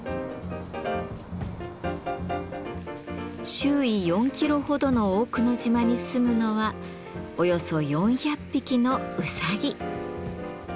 周囲４キロほどの大久野島にすむのはおよそ４００匹のうさぎ。